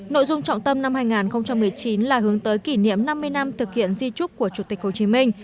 nội dung trọng tâm năm hai nghìn một mươi chín là hướng tới kỷ niệm năm mươi năm thực hiện di trúc của chủ tịch hồ chí minh